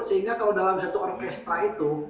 sehingga kalau dalam satu orkestra itu